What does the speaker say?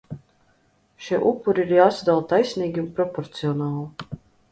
Šie upuri ir jāsadala taisnīgi un proporcionāli.